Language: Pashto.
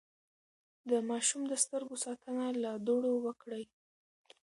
د ماشوم د سترګو ساتنه له دوړو وکړئ.